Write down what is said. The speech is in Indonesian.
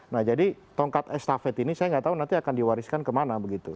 nah jadi tongkat estafet ini saya nggak tahu nanti akan diwariskan kemana begitu